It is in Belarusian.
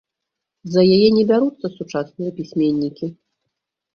За яе не бяруцца сучасныя пісьменнікі.